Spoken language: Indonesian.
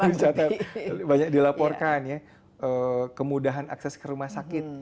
iya lebih dicatat banyak dilaporkan ya kemudahan akses ke rumah sakit